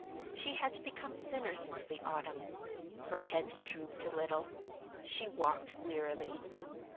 She had become thinner since the autumn—her head drooped a little; she walked wearily.